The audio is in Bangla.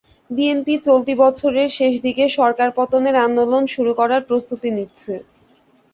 বিএনপি চলতি বছরের শেষ দিকে সরকার পতনের আন্দোলন শুরু করার প্রস্তুতি নিচ্ছে।